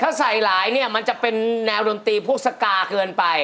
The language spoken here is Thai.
ถ้าใส่หลายมันจะเป็นแนวดันตรีพวกสกาขึ้นไป